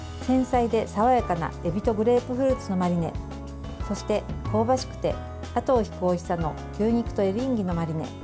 繊細で爽やかなえびとグレープフルーツのマリネそして、香ばしくてあとを引くおいしさの牛肉とエリンギのマリネ。